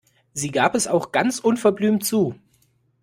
Sie gab es auch ganz unverblümt zu.